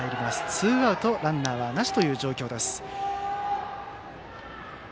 ツーアウトランナーはなしという状況です。